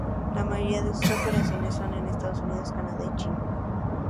La mayoría de sus operaciones son en Estados Unidos, Canadá, y China.